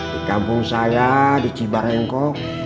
di kampung saya di cibarenkok